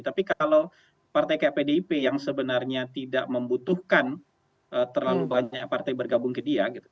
tapi kalau partai kayak pdip yang sebenarnya tidak membutuhkan terlalu banyak partai bergabung ke dia gitu